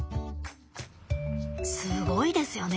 すごいですよね。